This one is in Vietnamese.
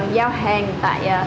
giao hàng tại